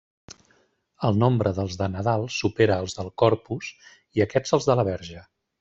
El nombre dels de Nadal supera als del Corpus i aquests als de la Verge.